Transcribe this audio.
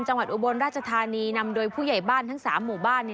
อุบลราชธานีนำโดยผู้ใหญ่บ้านทั้ง๓หมู่บ้าน